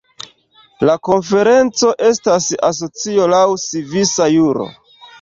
La konferenco estas asocio laŭ svisa juro.